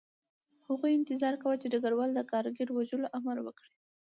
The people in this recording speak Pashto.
هغوی انتظار کاوه چې ډګروال د کارګر د وژلو امر وکړي